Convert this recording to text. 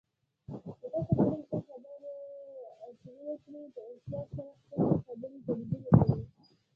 که تاسو غواړئ ښه خبرې اترې وکړئ، په احتیاط سره خپلې خبرې تنظیم کړئ.